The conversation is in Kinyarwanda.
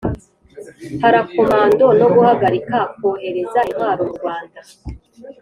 parakomando no guhagarika kwohereza intwaro mu rwanda.